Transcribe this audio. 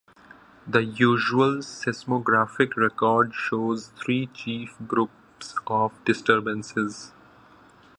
The usual seismographic record shows three chief groups of disturbances.